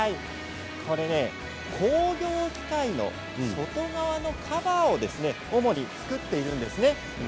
これ工業機械の外側のカバーを主に作っているんですね。